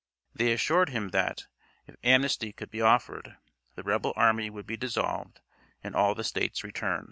They assured him that, if amnesty could be offered, the rebel army would be dissolved and all the States return.